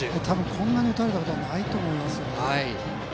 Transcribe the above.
こんなに打たれたことはないと思いますよ。